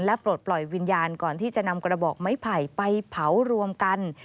ปลดปล่อยวิญญาณก่อนที่จะนำกระบอกไม้ไผ่ไปเผารวมกัน